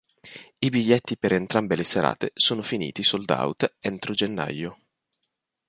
I biglietti per entrambe le serate sono finiti sold-out entro gennaio.